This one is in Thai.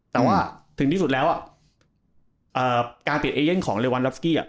แต่ว่าถึงที่สุดแล้วอ่ะเอ่อการเปลี่ยนของเรวัลรับสกิอ่ะ